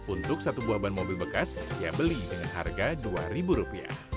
untuk satu buah ban mobil bekas ia beli dengan harga rp dua